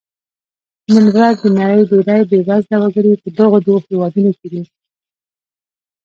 نن ورځ د نړۍ ډېری بېوزله وګړي په دغو دوو هېوادونو کې دي.